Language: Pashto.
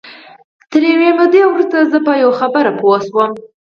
تر یوې مودې وروسته زه په یوه خبره پوه شوم